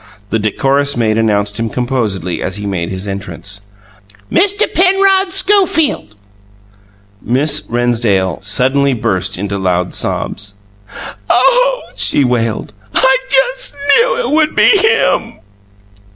The decorous maid announced him composedly as he made his entrance. "Mr. Penrod Schofield!" Miss Rennsdale suddenly burst into loud sobs. "Oh!" she wailed. "I just knew it would be him!"